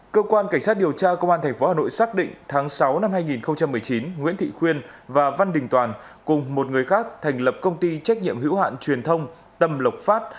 cơ quan cảnh sát điều tra công an tp hà nội xác định tháng sáu năm hai nghìn một mươi chín nguyễn thị khuyên và văn đình toàn cùng một người khác thành lập công ty trách nhiệm hữu hạn truyền thông tâm lộc phát